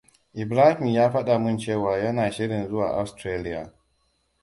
Ibrahim ya faɗa mun cewa yana shirin zuwa Australia.